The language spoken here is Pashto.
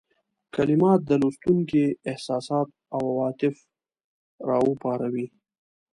کلمات د لوستونکي احساسات او عواطف را وپاروي.